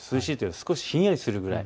少しひんやりするくらい。